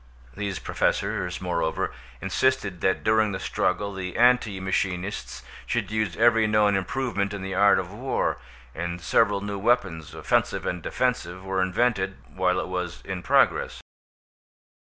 These Professors, moreover, insisted that during the struggle the anti machinists should use every known improvement in the art of war, and several new weapons, offensive and defensive, were invented, while it was in progress.